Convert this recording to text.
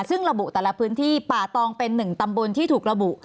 ซึ่งระบุแต่ละพื้นที่ป่าตองเป็น๑ตำบลที่ถูกระบุ